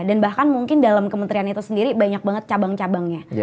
bahkan mungkin dalam kementerian itu sendiri banyak banget cabang cabangnya